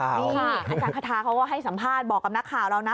นี่อาจารย์คาทาเขาก็ให้สัมภาษณ์บอกกับนักข่าวเรานะ